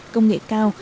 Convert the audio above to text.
công nghệ cao